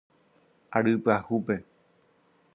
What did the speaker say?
Ary Pyahúpe.